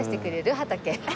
畑。